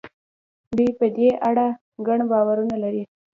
دوی په دې اړه ګڼ باورونه لري.